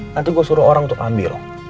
nanti gue suruh orang untuk ambil